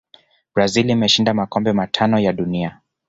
brazil imeshinda makombe matano ya dunia